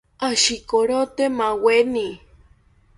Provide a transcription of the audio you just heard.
Ashikorote maaweni